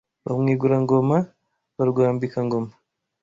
Wa Mwigura-ngoma wa Rwambika-ngoma